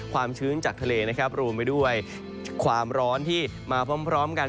ชื้นจากทะเลนะครับรวมไปด้วยความร้อนที่มาพร้อมกัน